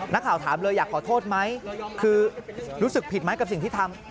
นักข่าวถามเลยอยากขอโทษไหมคือรู้สึกผิดไหมกับสิ่งที่ทำ